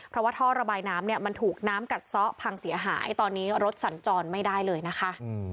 เพราะว่าท่อระบายน้ำเนี่ยมันถูกน้ำกัดซ้อพังเสียหายตอนนี้รถสัญจรไม่ได้เลยนะคะ